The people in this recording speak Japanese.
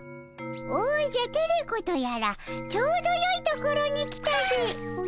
おじゃテレ子とやらちょうどよいところに来たでおじゃ。